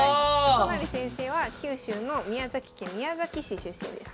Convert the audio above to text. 都成先生は九州の宮崎県宮崎市出身です。